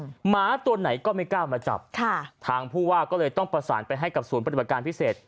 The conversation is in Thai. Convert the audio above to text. หมาตัวไหนก็ไม่กล้ามาจับค่ะทางผู้ว่าก็เลยต้องประสานไปให้กับศูนย์ปฏิบัติการพิเศษ